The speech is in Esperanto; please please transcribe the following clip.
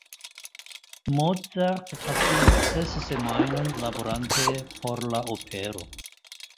Mozart pasigis ses semajnojn laborante por la opero.